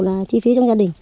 là chi phí trong nhà đình